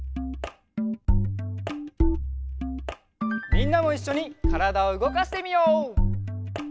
みんなもいっしょにからだをうごかしてみよう！